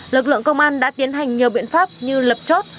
lực lượng công an đã tiến hành nhiều biện pháp như lập chốt